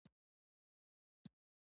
آیا دا د پښتنو ژوند نه دی؟